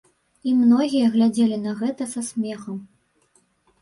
І многія глядзелі на гэта са смехам.